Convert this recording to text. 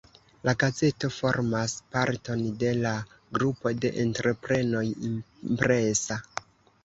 La gazeto formas parton de la grupo de entreprenoj "Impresa".